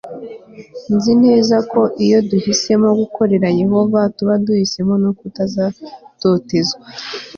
nzi neza ko iyo duhisemo gukorera yehova tuba duhisemo no kuzatotezwa